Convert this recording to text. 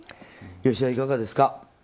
吉田、いかがですか？